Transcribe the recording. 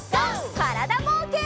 からだぼうけん。